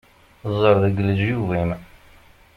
Ẓer deg leǧyub-im!